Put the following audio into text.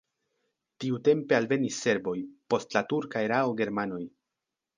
Tiutempe alvenis serboj, post la turka erao germanoj.